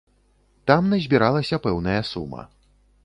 Там назбіралася пэўная сума.